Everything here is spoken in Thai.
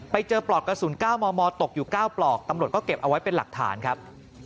ไปเจอปลอกกระสุนก้าวมอตกอยู่ก้าวปลอกตำรวจก็เก็บเอาไว้เป็นหลักฐานครับ